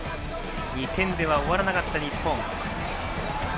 ２点では終わらなかった日本。